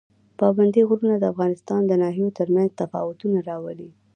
پابندي غرونه د افغانستان د ناحیو ترمنځ تفاوتونه راولي.